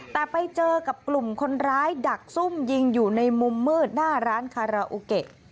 แต่ไปเจอกับกลุ่มคนร้ายดักซุ่มยิงอยู่ในมุมมืดหน้าร้านคาราโอเกะ